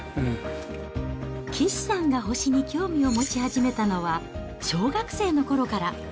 岸さんが星に興味を持ち始めたのは、小学生のころから。